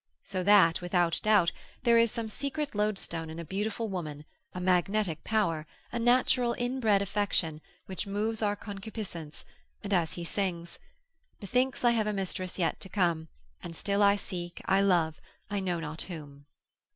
So that, without doubt, there is some secret loadstone in a beautiful woman, a magnetic power, a natural inbred affection, which moves our concupiscence, and as he sings, Methinks I have a mistress yet to come, And still I seek, I love, I know not whom.